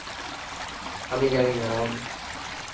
আমি জানিনা রব।